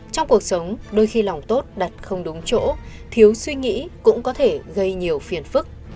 trong cuộc sống đôi khi lòng tốt đặt không đúng chỗ thiếu suy nghĩ cũng có thể gây nhiều phiền phức